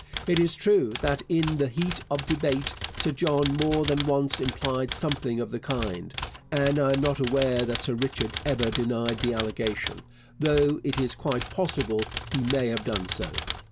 It is true that in the heat of debate Sir John more than once implied something of the kind, and I am not aware that Sir Richard ever denied the allegation, though it is quite possible he may have done so.